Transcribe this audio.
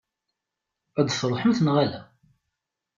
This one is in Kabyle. Ad d-truḥemt, neɣ ala?